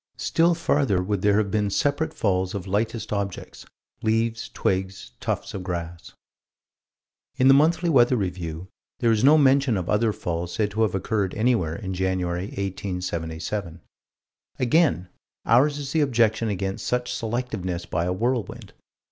Still farther would there have been separate falls of lightest objects: leaves, twigs, tufts of grass. In the Monthly Weather Review there is no mention of other falls said to have occurred anywhere in January, 1877. Again ours is the objection against such selectiveness by a whirlwind.